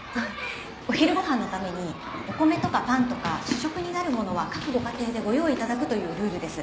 お昼ご飯のためにお米とかパンとか主食になる物は各ご家庭でご用意いただくというルールです。